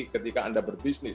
ketika anda berbisnis